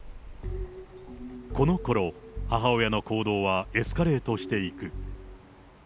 このころ、母親の行動はエスカレートしていく。